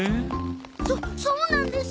そそうなんです！